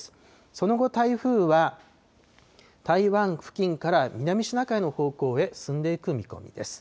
その後、台風は台湾付近から南シナ海の方向へ進んでいく見込みです。